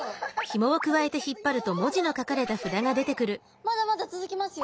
まだまだ続きますよ。